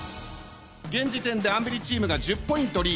現時点でアンビリチームが１０ポイントリード。